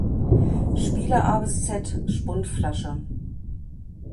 Spieler A–Z (Spundflasche)